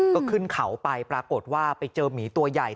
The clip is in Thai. ก็ขึ้นเขาไปปรากฏว่าไปเจอหมีตัวใหญ่